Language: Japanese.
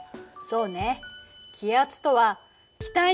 そうね。